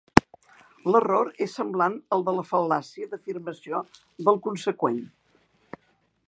L'error és semblant al de la fal·làcia d'afirmació del conseqüent.